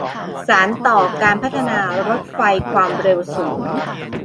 สานต่อการพัฒนารถไฟความเร็วสูง